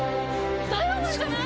ダイワマンじゃない？